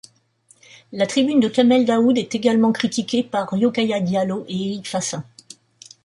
La tribune de Kamel Daoud est également critiquée par Rokhaya Diallo et Éric Fassin.